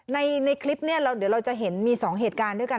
ในคลิปนี้เดี๋ยวเราจะเห็นมี๒เหตุการณ์ด้วยกัน